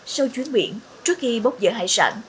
sau chuyến biển trước khi bốc dở hải sản